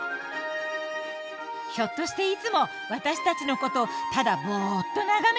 ひょっとしていつも私たちのことをただボッと眺めてません？